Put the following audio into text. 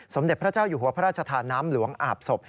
สมเด็จพระเจ้าอยู่หัวพระราชทานน้ำหลวงอาบศพ